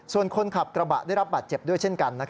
ส่วนคนขับกระบะได้รับบาดเจ็บด้วยเช่นกัน